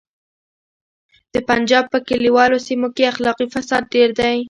د پنجاب په کلیوالو سیمو کې اخلاقي فساد ډیر دی